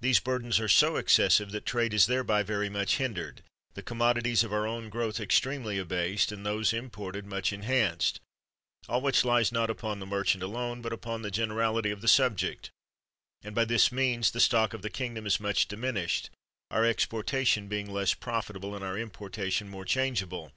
These burdens are so excessive, that trade is thereby very much hindered, the commodities of our own growth extremely abased, and those im ported much enhanced; all which lies not upon the merchant alone, but upon the generality of the subject; and by this means the stock of the kingdom is much diminished, our exportation 57 THE WORLD'S FAMOUS ORATIONS being less profitable, and our importation more changeable.